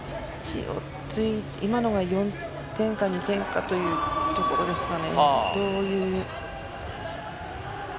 今のが４点か２点かというところですかね。